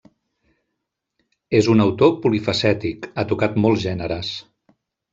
És un autor polifacètic, ha tocat molts gèneres.